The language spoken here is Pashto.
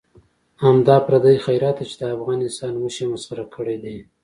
همدا پردی خیرات دی چې د افغان انسان هوش یې مسخره کړی دی.